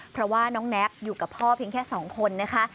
เพราะว่าน้องแน็กอยู่กับพ่อเพียงแค่๒คนนะคะ